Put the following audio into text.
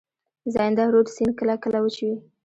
زاینده رود سیند کله کله وچ وي.